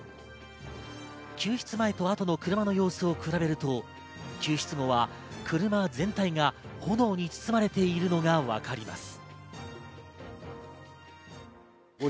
救出前と後の車の様子を比べると、救出後は車全体が炎に包まれているのがわかります。